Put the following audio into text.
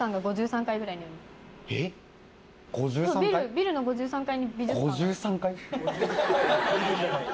ビルの５３階。